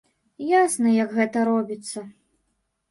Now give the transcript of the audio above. Ясна, як гэта робіцца.